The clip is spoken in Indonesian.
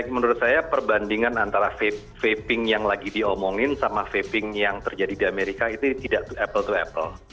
menurut saya perbandingan antara vaping yang lagi diomongin sama vaping yang terjadi di amerika itu tidak to apple to apple